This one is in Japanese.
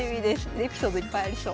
エピソードいっぱいありそう。